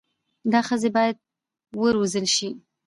دا ښځي بايد و روزل سي